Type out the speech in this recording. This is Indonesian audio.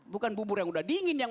bukan bubur yang udah dingin yang